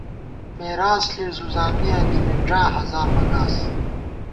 مېراث ݪی زُوزامِیہ، نِمِنݮا ہزار مہ گاس